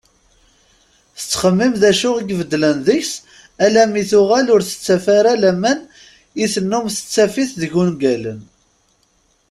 Tettxemmim d acu i ibeddlen deg-s alammi tuɣal ur tettaf ara laman i tennum tettaf-it deg ungalen.